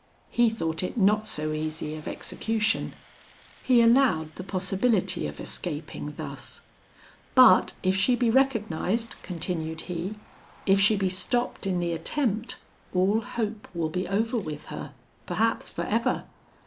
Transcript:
He thought it not so easy of execution. He allowed the possibility of escaping thus: 'But if she be recognised,' continued he, 'if she be stopped in the attempt, all hope will be over with her, perhaps for ever.